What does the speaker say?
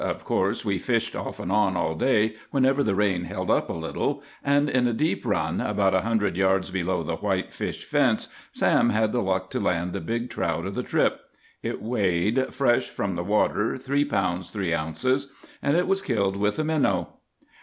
Of course we fished off and on all day, whenever the rain held up a little; and in a deep run, about a hundred yards below the whitefish fence, Sam had the luck to land the big trout of the trip. It weighed, fresh from the water, three pounds three ounces, and it was killed with a minnow.